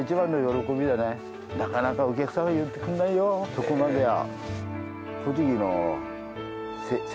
そこまでは。